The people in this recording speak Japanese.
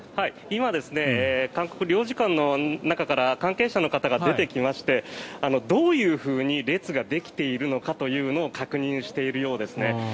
今、韓国領事館の中から関係者の方が出てきましてどういうふうに列ができているのかというのを確認しているようですね。